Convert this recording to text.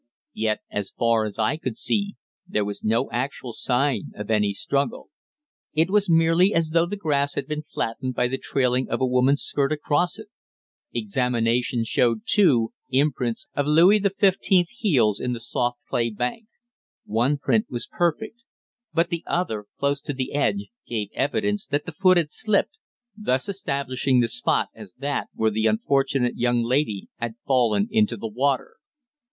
Yet as far as I could see there was no actual sign of any struggle. It was merely as though the grass had been flattened by the trailing of a woman's skirt across it. Examination showed, too, imprints of Louis XV. heels in the soft clay bank. One print was perfect, but the other, close to the edge, gave evidence that the foot had slipped, thus establishing the spot as that where the unfortunate young lady had fallen into the water.